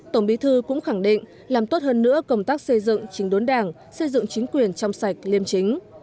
tổng bí thư cũng khẳng định làm tốt hơn nữa công tác xây dựng trình đốn đảng xây dựng chính quyền trong sạch liêm chính